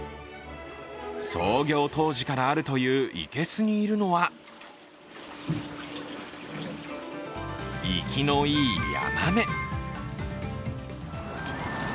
創業当時からあるという生けすにいるのは生きのいいヤマメ。